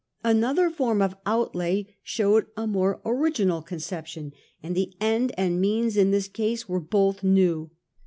Another form of outlay showed a more original concep tion, and the end and means in this case were both new.